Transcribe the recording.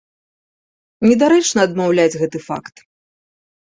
Недарэчна адмаўляць гэты факт.